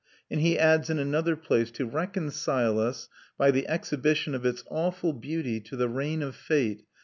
And he adds in another place: "To reconcile us, by the exhibition of its awful beauty, to the reign of Fate